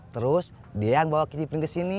terus dia yang bawa kici pring ke sini